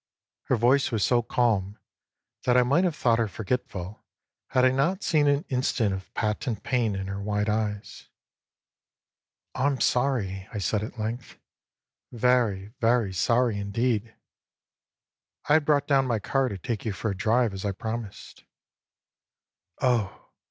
Her voice was so calm that I might have thought her forgetful had I not seen an instant of patent pain in her wide eyes. " I'm sorry," I said at length, " very, very, sorry indeed. I had brought down my car to take you for a drive, as I promised." " Oh